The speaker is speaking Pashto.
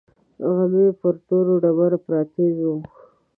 غمي پر تورو ډبرو پراته وو.